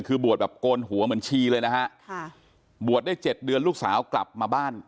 คือบวชแบบโกนหัวเหมือนชีเลยนะฮะค่ะบวชได้เจ็ดเดือนลูกสาวกลับมาบ้าน